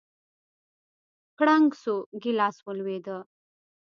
کړنگ سو گيلاس ولوېد.